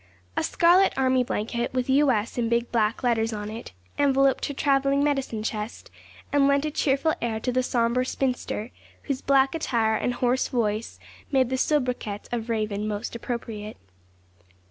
A scarlet army blanket, with U. S. in big black letters on it, enveloped her travelling medicine chest, and lent a cheerful air to the sombre spinster, whose black attire and hoarse voice made the sobriquet of Raven most appropriate.